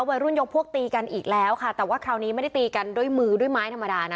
วัยรุ่นยกพวกตีกันอีกแล้วค่ะแต่ว่าคราวนี้ไม่ได้ตีกันด้วยมือด้วยไม้ธรรมดานะ